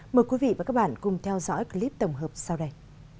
mời quý vị và các bạn cùng theo dõi clip tổng hợp sau đây